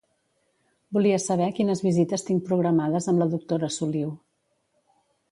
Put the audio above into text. Volia saber quines visites tinc programades amb la doctora Soliu.